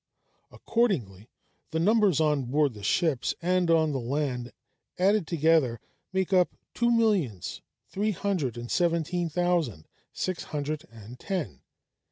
Accordingly, the numbers on board the ships and on the land, added together, make up two millions three hundred and seventeen thousand six hundred and ten.